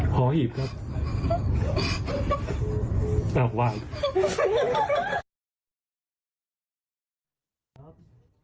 ขอหีบครับถ้าหวาน